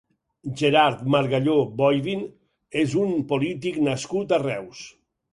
Gerard Bargalló Boivin és un polític nascut a Reus.